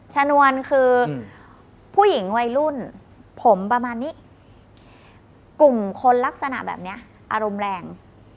ชนวนคือผู้หญิงวัยรุ่นผมประมาณนี้กลุ่มคนลักษณะแบบนี้อารมณ์แรง